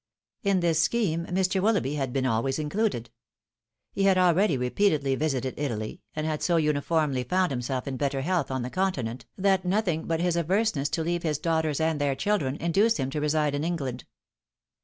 In this scheme Mr. Willoughby had been always included ; he had abeady repeatedly visited Italy, and had so uniformly found himself in better health on the continent, that nothing but his averseness to leaye his daughters and their children induced him to reside in England.